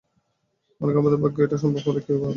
মনে করি আমাদের ভাগ্যে এটা সম্ভব হল কী করে?